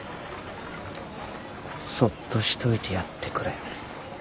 そっとしといてやってくれ。